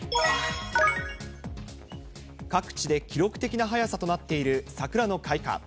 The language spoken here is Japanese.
各地で記録的な早さとなっている桜の開花。